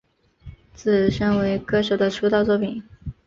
自身为歌手的出道作品。